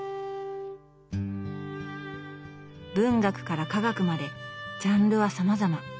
文学から科学までジャンルはさまざま。